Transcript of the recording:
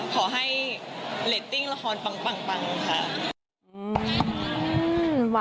ขอให้เร็ดติ้งละครสงสัยชายช่อย